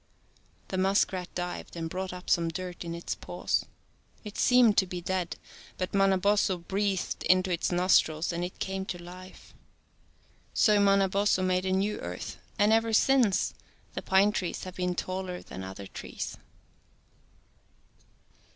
The muskrat dived and brought up some dirt in its paws. It seemed to be dead, but Manabozho breathed into its nostrils and it came to life. So Manabozho made a new earth and ever since the pine trees have been taller than other trees.